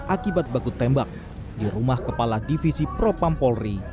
akibat baku tembak di rumah kepala divisi propampolri